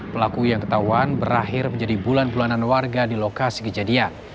pelaku yang ketahuan berakhir menjadi bulan bulanan warga di lokasi kejadian